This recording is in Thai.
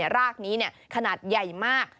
รากนี้ขนาดใหญ่มาก